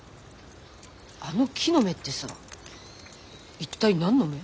あの木の芽ってさ一体何の芽？